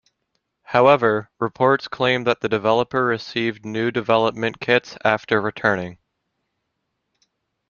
However, reports claim that the developer received new development kits after returning.